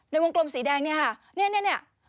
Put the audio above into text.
ในวงกลมสีแดงนี่ค่ะนี่